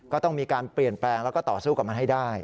ก็ต้องมีการเปลี่ยนแปลงแล้วก็ต่อสู้กับมันให้ได้